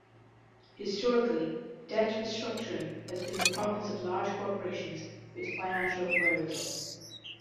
Historically, debt restructuring has been the province of large corporations with financial wherewithal.